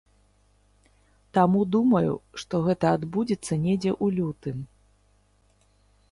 Таму думаю, што гэта адбудзецца недзе ў лютым.